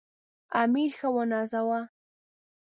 امیر ښه ونازاوه.